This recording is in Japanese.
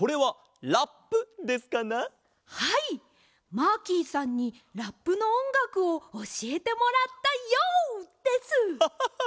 マーキーさんにラップのおんがくをおしえてもらったＹＯ！です！ハハハ！